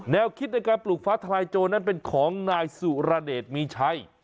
คิดในการปลูกฟ้าทลายโจรนั้นเป็นของนายสุรเดชมีชัย